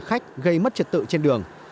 khách gây mất trật tự trên đường